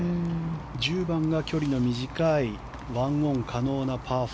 １０番が距離の短い１オン可能なパー４。